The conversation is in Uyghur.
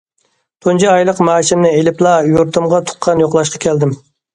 تۇنجى ئايلىق مائاشىمنى ئېلىپلا يۇرتۇمغا تۇغقان يوقلاشقا كەلدىم.